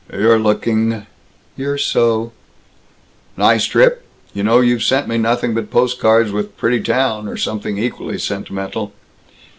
"You're looking " "You're so " "Nice trip? You know you've sent me nothing but postcards with 'Pretty town,' or something equally sentimental."